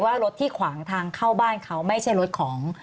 ว่ารถที่ขวางทางเข้าบ้านเขาไม่ใช่รถของ